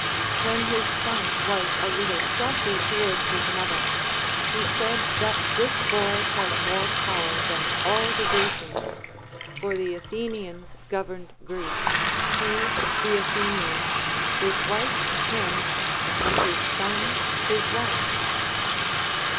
When his son was a little saucy towards his mother, he said that this boy had more power than all the Grecians, for the Athenians governed Greece, he the Athenians, his Avife him, and his son his wife.